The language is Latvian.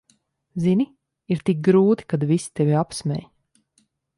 Zini, ir tik grūti, kad visi tevi apsmej.